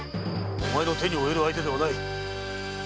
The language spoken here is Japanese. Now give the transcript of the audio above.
お前の手に負える相手ではない。